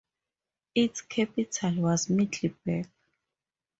Its capital was Middelburg.